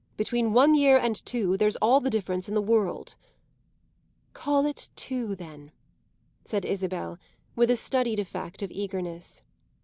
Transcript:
Between one year and two there's all the difference in the world." "Call it two then," said Isabel with a studied effect of eagerness.